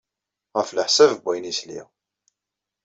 Ɣef leḥsab n wayen ay sliɣ.